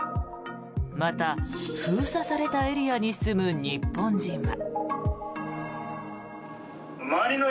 また、封鎖されたエリアに住む日本人は。